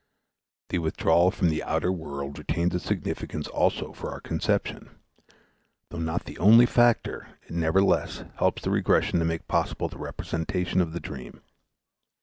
The withdrawal from the outer world retains its significance also for our conception; though not the only factor, it nevertheless helps the regression to make possible the representation of the dream.